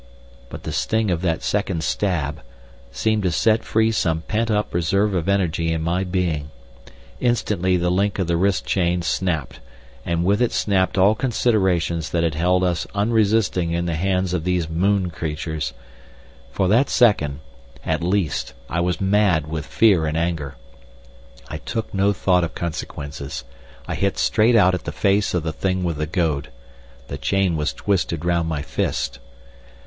But the sting of that second stab seemed to set free some pent up reserve of energy in my being. Instantly the link of the wrist chain snapped, and with it snapped all considerations that had held us unresisting in the hands of these moon creatures. For that second, at least, I was mad with fear and anger. I took no thought of consequences. I hit straight out at the face of the thing with the goad. The chain was twisted round my fist.